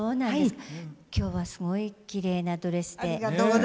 今日はすごいきれいなドレスで。